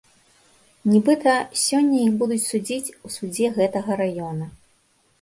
Нібыта, сёння іх будуць судзіць у судзе гэтага раёна.